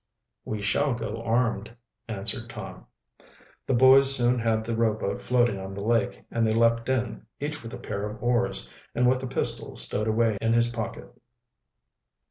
"We shall go armed," answered Tom. The boys soon had the rowboat floating on the lake, and they leaped in, each with a pair of oars, and with a pistol stowed away in his pocket.